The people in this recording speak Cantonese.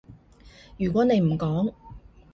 如果你唔講